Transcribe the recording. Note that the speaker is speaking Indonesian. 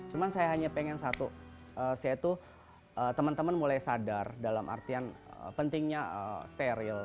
cuma saya hanya pengen satu saya tuh teman teman mulai sadar dalam artian pentingnya steril